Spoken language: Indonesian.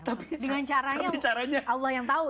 tapi caranya allah yang tahu ya